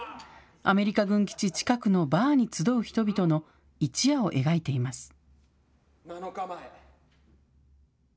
アメリカ軍基地近くのバーに集う人々の一夜を描いています。